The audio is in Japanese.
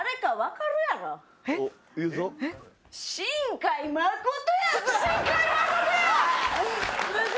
新海誠やぞ！